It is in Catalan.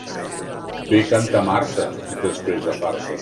Bé canta Marta, després de farta.